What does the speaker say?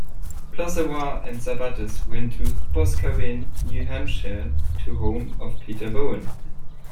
Plausawa and Sabattis went to Boscawen, New Hampshire to the home of Peter Bowen.